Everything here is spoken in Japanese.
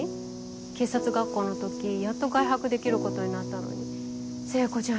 警察学校の時やっと外泊できることになったのに聖子ちゃん